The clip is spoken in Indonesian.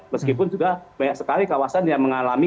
meskipun juga banyak sekali kawasan yang mengalami